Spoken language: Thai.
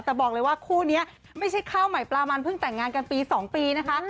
แต่บอกเลยว่าคู่นี้ไม่ใช่ข้าวใหม่ปลามันเพิ่งแต่งงานกันปี๒ปีนะคะ